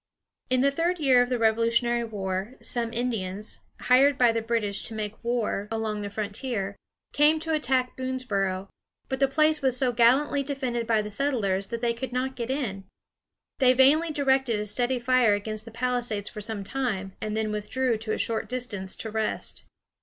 In the third year of the Revolutionary War, some Indians, hired by the British to make war along the frontier, came to attack Boonesboro. But the place was so gallantly defended by the settlers that they could not get in. They vainly directed a steady fire against the palisades for some time, and then withdrew to a short distance to rest.